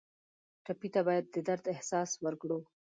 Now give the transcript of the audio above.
ټپي ته باید د درد احساس درکړو.